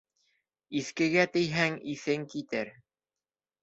Иҫкегә тейһәң, иҫең китер.